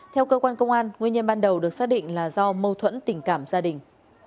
theo cơ quan công an nguyên nhân ban đầu được xác định là do mâu thuẫn tình cảm gia đình